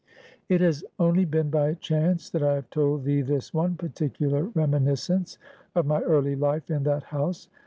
"It has only been by chance that I have told thee this one particular reminiscence of my early life in that house.